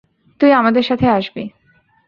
তুই আমাদের সাথে আসবি।